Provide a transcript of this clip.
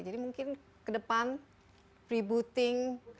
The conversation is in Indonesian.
jadi mungkin ke depan rebooting